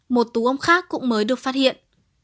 một tú ông khác cũng mới được phát hiện